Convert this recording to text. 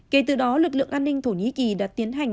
kể từ đó lực lượng an ninh thổ nhĩ kỳ đã tiến hành